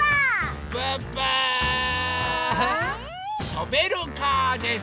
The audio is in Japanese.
ショベルカーです！